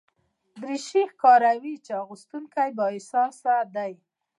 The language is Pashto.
دریشي ښکاروي چې اغوستونکی بااحساسه دی.